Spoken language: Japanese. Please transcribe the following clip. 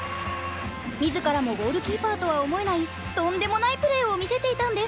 自らもキーパーとは思えないとんでもないプレーを見せていたんです。